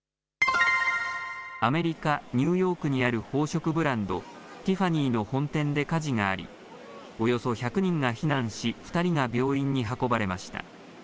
アメリカ・ニューヨークにある宝飾ブランド、ティファニーの本店で火事がありおよそ１００人が避難し２人が病院に運ばれました。